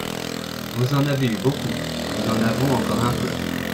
Vous en avez eu beaucoup, nous en avons encore un peu.